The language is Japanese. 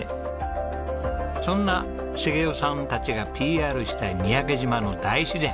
そんな重夫さんたちがＰＲしたい三宅島の大自然。